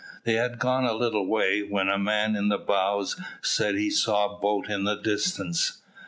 They had gone a little way, when the man in the bows said he saw a boat in the distance.